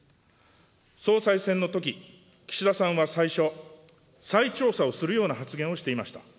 総裁選のとき、岸田さんは最初、再調査をするような発言をしていました。